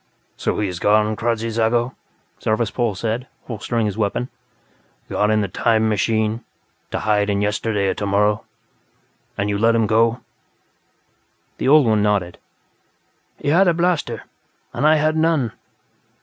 "So he is gone, Kradzy Zago?" Zarvas Pol said, holstering his weapon. "Gone in the 'time machine', to hide in yesterday or tomorrow. And you let him go?" The old one nodded. "He had a blaster, and I had none."